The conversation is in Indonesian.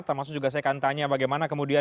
termasuk juga saya akan tanya bagaimana kemudian